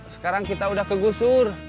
sekarang kita udah ke gusur